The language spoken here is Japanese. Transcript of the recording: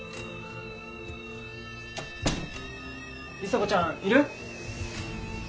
里紗子ちゃんいる？